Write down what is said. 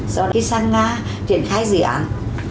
sau đó khi sang nga triển khai dự án